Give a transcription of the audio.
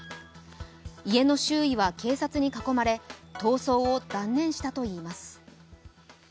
家の周囲は警察に囲まれ逃走を断念したといいます。